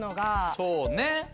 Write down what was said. そうね。